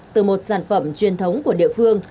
từ một sản phẩm truyền thống của địa phương